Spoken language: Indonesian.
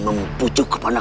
kamu harus berjanji